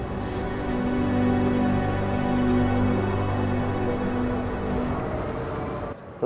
lo mau kemana